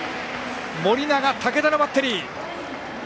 盛永、武田のバッテリー。